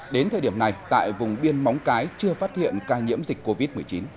đến thời điểm này tại vùng biên móng cái chưa phát hiện ca nhiễm dịch covid một mươi chín